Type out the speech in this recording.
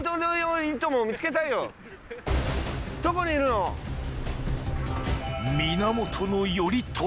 どこにいるの？